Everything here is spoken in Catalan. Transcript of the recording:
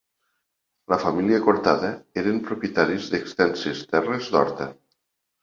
La família Cortada eren propietaris d'extenses terres d'Horta.